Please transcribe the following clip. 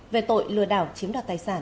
về tội lừa đảo chiếm đoạt tài sản